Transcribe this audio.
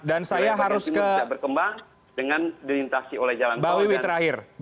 dan saya harus ke bawiwi terakhir